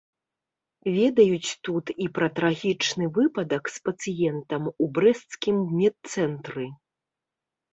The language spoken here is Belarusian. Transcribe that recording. Ведаюць тут і пра трагічны выпадак з пацыентам у брэсцкім медцэнтры.